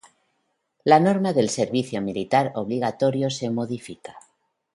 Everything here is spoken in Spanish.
La norma del servicio militar obligatorio se modifica.